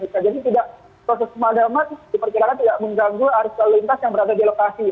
jadi proses pemadaman di perjalanan tidak mengganggu arus lalu lintas yang berada di lokasi